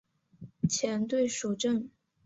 前队属正。